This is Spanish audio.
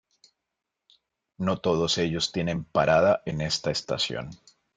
No todos ellos tienen parada en esta estación.